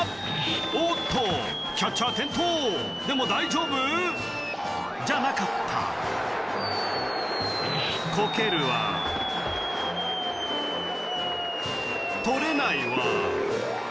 おっとキャッチャー転倒でも大丈夫じゃなかったコケるわ捕れないわ